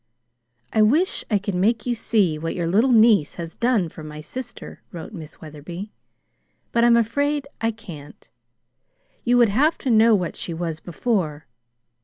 "I wish I could make you see what your little niece has done for my sister," wrote Miss Wetherby; "but I'm afraid I can't. You would have to know what she was before.